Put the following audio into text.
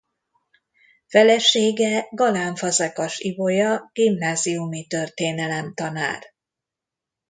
Felesége Galán-Fazekas Ibolya gimnáziumi történelemtanár.